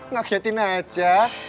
nggak ngerti aja